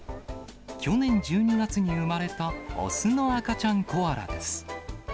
去年１２月に生まれた、雄の赤ちゃんコアラです。